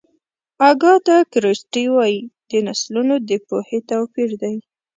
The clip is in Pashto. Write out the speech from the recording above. اګاتا کریسټي وایي د نسلونو د پوهې توپیر دی.